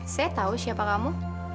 saya tahu siapa kamu